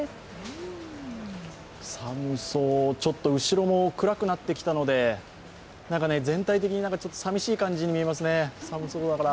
寒そう、ちょっと後ろも暗くなってきたので全体的にさみしい感じに見えますね、寒そうだから。